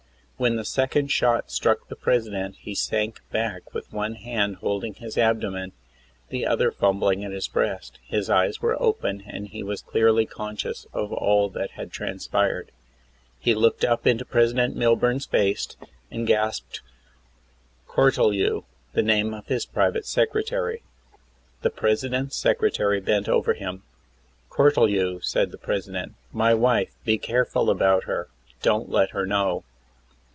When the second shot struck the President he sank back with one hand holding his abdomen, the other fumbling at his breast. His eyes were open and he was clearly conscious of all that had transpired. He looked up into President Milburn's face and gasped: "Cortelyou," the name of his private secretary. The President's secretary bent over him. "Cortelyou," said the President, "my wife, be careful about her; don't let her know."